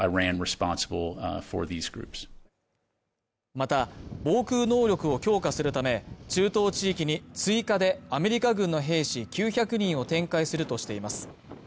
また防空能力を強化するため中東地域に追加でアメリカ軍の兵士９００人を展開するとしています